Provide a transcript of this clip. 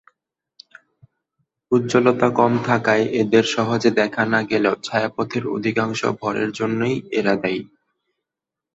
উজ্জ্বলতা কম থাকায় এদের সহজে দেখা না গেলেও ছায়াপথের অধিকাংশ ভরের জন্যই এরা দায়ী।